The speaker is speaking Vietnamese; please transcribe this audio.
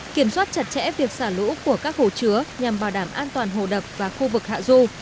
kiểm soát chặt chẽ việc xả lũ của các hồ chứa nhằm bảo đảm an toàn hồ đập và khu vực hạ du